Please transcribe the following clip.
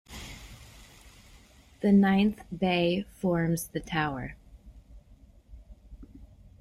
The ninth bay forms the tower.